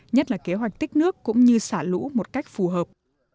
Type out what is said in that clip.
nhất là kế hoạch tích nước cũng như xả lũ một cách phù hợp